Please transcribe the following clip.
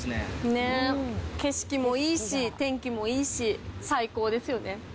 ねっ、景色もいいし、天気もいいし、最高ですよね。